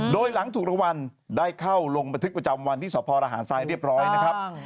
โดยหลังถูกรางวัลได้เข้าลงบันทึกประจำวันที่สพรหารทรายเรียบร้อยนะครับ